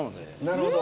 なるほど。